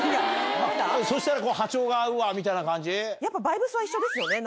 そしたら波長が合うわみたいな感じ？ですよね